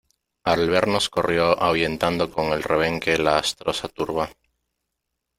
al vernos corrió ahuyentando con el rebenque la astrosa turba ,